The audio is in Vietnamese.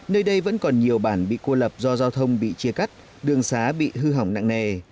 nơi đây vẫn còn nhiều bản bị cô lập do giao thông bị chia cắt đường xá bị hư hỏng nặng nề